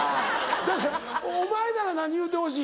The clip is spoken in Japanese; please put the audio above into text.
だからお前なら何言うてほしい？